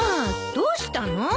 どうしたの？